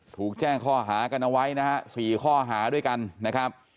ถูกแจ้งข้อหากันเอาไว้นะฮะ๔ข้อหาด้วยกันนะครับ